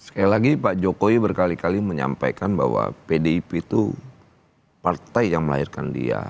sekali lagi pak jokowi berkali kali menyampaikan bahwa pdip itu partai yang melahirkan dia